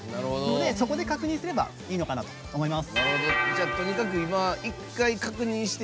そこで確認すればいいのかなと思います。